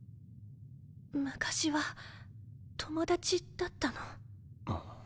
昔は友達だったの。